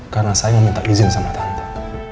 karena saya meminta izin sama tante